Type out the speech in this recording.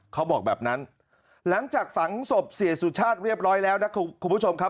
เขาบอกแบบนั้นหลังจากฝังศพเสียสุชาติเรียบร้อยแล้วนะคุณผู้ชมครับ